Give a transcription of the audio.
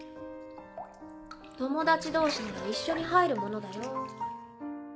友達同士なら一緒に入るものだよ。